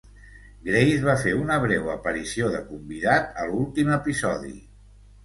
Grace va fer una breu aparició de convidat a l'últim episodi.